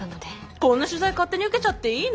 こんな取材勝手に受けちゃっていいの？